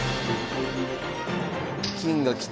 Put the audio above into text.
金が来た。